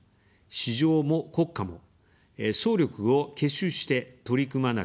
「市場も国家も」、総力を結集して取り組まなければなりません。